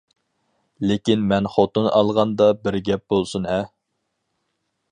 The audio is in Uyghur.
لېكىن مەن خوتۇن ئالغاندا بىر گەپ بولسۇن ھە!